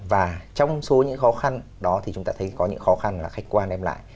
và trong số những khó khăn đó thì chúng ta thấy có những khó khăn là khách quan đem lại